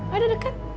wah udah deket